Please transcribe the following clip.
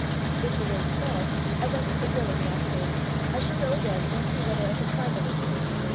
If the wind fall, as I think it will in the afternoon, I shall go again and see whether I can find anything.